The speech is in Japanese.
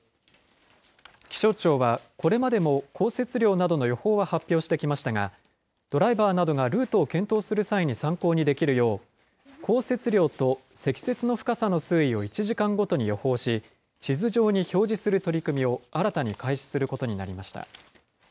気象庁はこれまでも降雪量などの予報は発表してきましたが、ドライバーなどがルートを検討する際に参考にできるよう、降雪量と積雪の深さの推移を１時間ごとに予報し、地図上に表示する取り組みを新たに開始することになりました。